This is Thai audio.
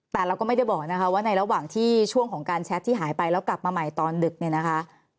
แต่เราก็ไม่ได้บอกนะคะว่าในระหว่างที่ช่วงของการแชทที่หายไปแล้วกลับมาใหม่ตอนดึกเนี่ยนะคะ